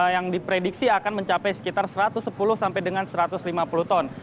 yang diprediksi akan mencapai sekitar satu ratus sepuluh sampai dengan satu ratus lima puluh ton